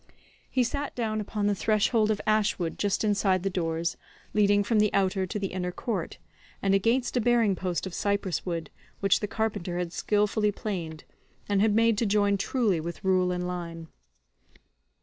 He sat down upon the threshold of ash wood just inside the doors leading from the outer to the inner court, and against a bearing post of cypress wood which the carpenter had skilfully planed, and had made to join truly with rule and line.